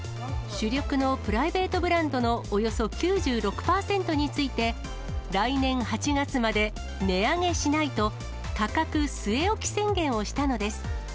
主力のプライベートブランドのおよそ９６％について、来年８月まで値上げしないと、価格据え置き宣言をしたのです。